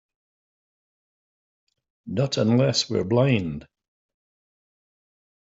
Not unless we're blind.